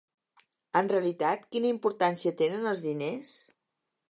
En realitat, quina importància tenen els diners?